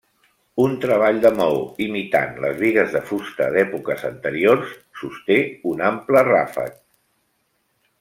Un treball de maó imitant les bigues de fusta d'èpoques anteriors sosté un ample ràfec.